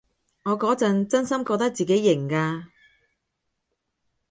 我嗰陣真心覺得自己型㗎